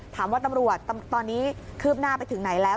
ตำรวจตอนนี้คืบหน้าไปถึงไหนแล้ว